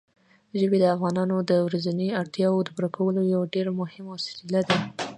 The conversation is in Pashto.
ژبې د افغانانو د ورځنیو اړتیاوو د پوره کولو یوه ډېره مهمه وسیله ده.